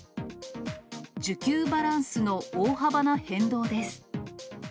需給バランスの大幅な変動です。